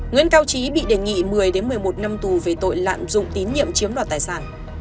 nguyễn cao trí bị đề nghị một mươi một mươi một năm tù về tội lạm dụng tín nhiệm chiếm đoạt tài sản